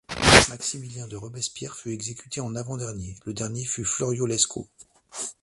Maximilien de Robespierre fut exécuté en avant-dernier, le dernier fut Fleuriot-Lescot.